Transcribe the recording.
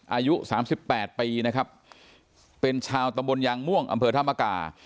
อายุ๓๘ปีนะครับเป็นชาวตะบนยังม่วงอำเภอธามก่า